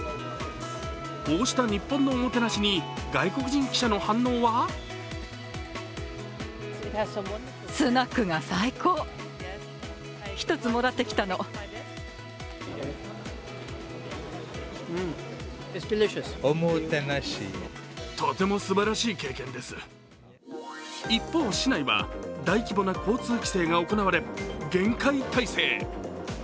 こうした日本のおもてなしに外国人記者の反応は一方、市内は大規模な交通規制が行われ、厳戒態勢。